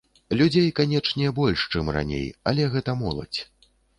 Людзей, канечне, больш, чым раней, але гэта моладзь.